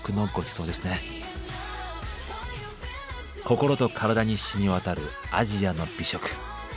心と体に染み渡るアジアの美食。